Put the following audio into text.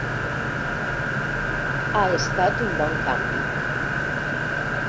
Ha estat un bon canvi.